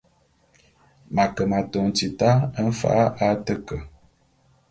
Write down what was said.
M’ ake m’atôn tita mfa’a a te ke.